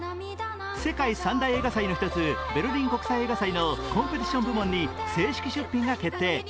世界三大映画祭の一つ、ベルリン国際映画祭のコンペティション部門に正式出品が決定。